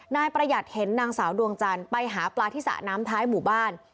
นายประหยัดเห็นนางสาวดวงจันทร์ไปหาปลาที่สระน้ำท้ายหมู่บ้าน